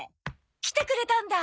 来てくれたんだ。